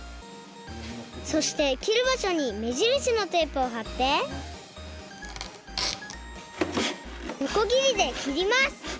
そしてきるばしょにめじるしのテープをはってのこぎりできります！